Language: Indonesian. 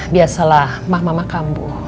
biasalah mama mama kambuh